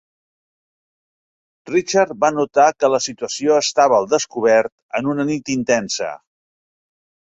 Richard va notar que la situació estava al descobert en una nit intensa.